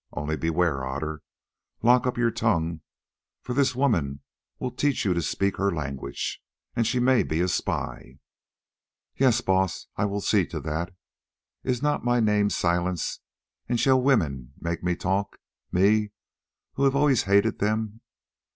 Only beware, Otter: lock up your tongue, for this woman will teach you to speak her language, and she may be a spy." "Yes, Baas, I will see to that. Is not my name Silence, and shall women make me talk—me, who have always hated them?